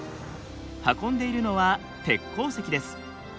運んでいるのは鉄鉱石です。